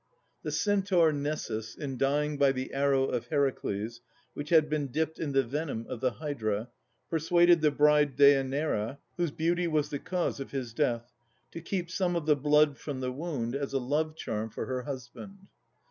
The Centaur Nessus, in dying by the arrow of Heracles, which had been dipped in the venom of the Hydra, persuaded the bride Deanira, whose beauty was the cause of his death, to keep some of the blood from the wound as a love charm for her husband.